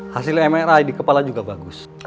hasil mri di kepala juga bagus